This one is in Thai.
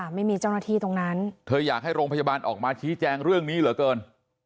ไม่มีเจ้าหน้าที่ตรงนั้นเธออยากให้โรงพยาบาลออกมาชี้แจงเรื่องนี้เหลือเกิน